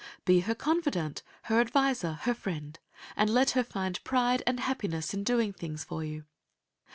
Be her confidant, her adviser, her friend, and let her find pride and happiness in doing things for you.